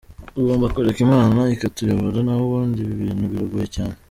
Tugomba kureka Imana ikatuyobora naho ubundi ibi bintu biragoye cyane.